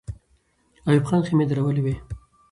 ایوب خان خېمې درولې وې.